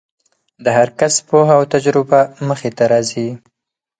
د هر کس پوهه او تجربه مخې ته راځي.